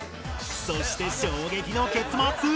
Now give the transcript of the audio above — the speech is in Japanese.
そして衝撃の結末！